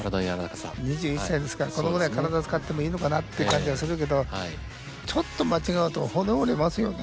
２１歳ですからこのぐらい体を使ってもいいのかなっていう感じがするけどちょっと間違うと骨折れますよね。